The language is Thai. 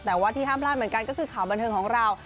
แต่ว่าที่ห้ามพลาดเหมือนกันก็คือข่าวบันเทิงของเรา